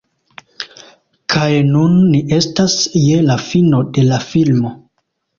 Kaj nun ni estas je la fino de la filmo